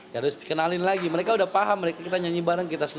harus dikenalin lagi mereka udah paham mereka kita nyanyi bareng kita senang